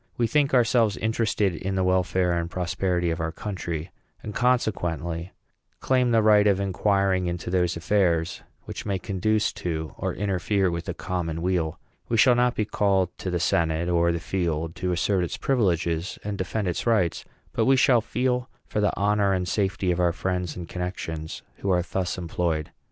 We think ourselves interested in the welfare and prosperity of our country; and, consequently, claim the right of inquiring into those affairs which may conduce to or interfere with the common weal. We shall not be called to the senate or the field to assert its privileges and defend its rights, but we shall feel, for the honor and safety of our friends and connections who are thus employed.